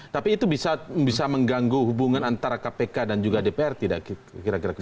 tapi itu bisa mengganggu hubungan antara kpk dan juga dpr tidak kira kira